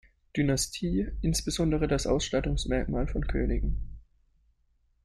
Dynastie insbesondere das Ausstattungsmerkmal von Königen.